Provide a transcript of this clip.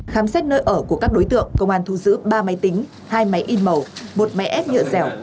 khám xét nơi ở của các đối tượng công an thu giữ ba máy tính hai máy in màu một máy ép nhựa dẻo